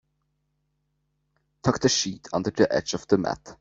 Tuck the sheet under the edge of the mat.